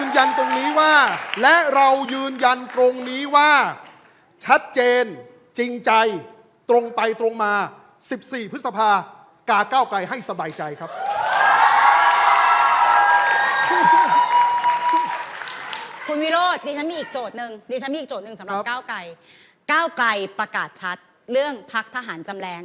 นี่ฉันมีอีกโจทย์หนึ่งนี่ฉันมีอีกโจทย์หนึ่งสำหรับก้าวไก่ก้าวไก่ประกาศชัดเรื่องภักดิ์ทหารจำแรง